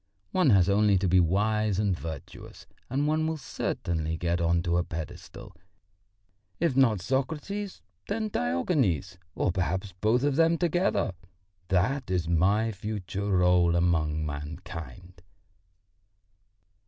One has only to be wise and virtuous and one will certainly get on to a pedestal. If not Socrates, then Diogenes, or perhaps both of them together that is my future rôle among mankind."